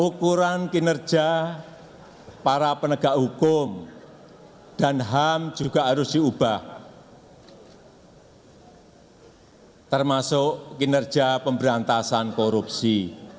ukuran kinerja para penegak hukum dan ham juga harus diubah termasuk kinerja pemberantasan korupsi